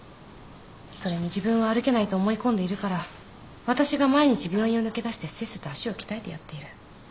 それに自分は歩けないと思い込んでいるから私が毎日病院を抜け出してせっせと足を鍛えてやっている。